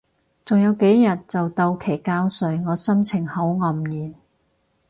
仲有幾日就到期交稅，我心情好黯然